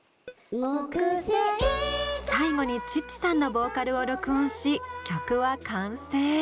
最後にチッチさんのボーカルを録音し曲は完成！